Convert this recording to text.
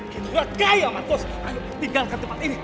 kita juga kaya markus ayo tinggalkan tempat ini